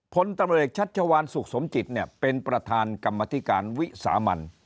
พตเชัตชาวานสุขสมจิตเป็นประธานกรรมธิการวิสามัน